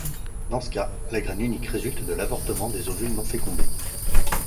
Dans ce cas, la graine unique résulte de l'avortement des ovules non fécondés.